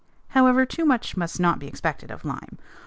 However, too much must not be expected of lime.